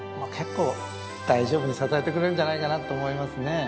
結構大丈夫に支えてくれるんじゃないかなと思いますね。